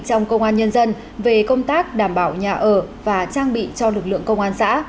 bộ trưởng bộ công an nhân dân về công tác đảm bảo nhà ở và trang bị cho lực lượng công an xã